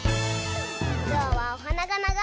ぞうはおはながながいよ。